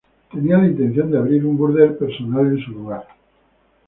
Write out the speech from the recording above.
Tenía la intención de abrir un burdel personal en su lugar.